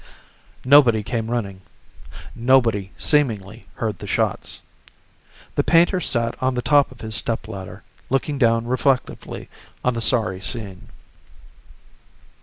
Nobody came running. Nobody, seemingly, heard the shots. The painter sat on the top of his stepladder, looking down reflectively on the sorry scene.